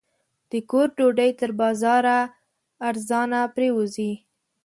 د کور ډوډۍ تر بازاره ارزانه پرېوځي.